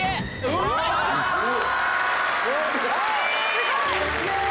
すごい！